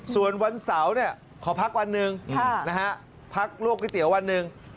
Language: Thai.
ส่วนวันเสาร์ขอพักวันหนึ่งพักลวกก๋วยเตี๋ยววันหนึ่ง